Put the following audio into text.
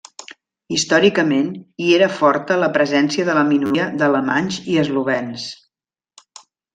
Històricament, hi era forta la presència de la minoria d'alemanys i eslovens.